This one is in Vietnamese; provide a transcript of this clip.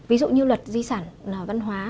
ví dụ như luật di sản văn hóa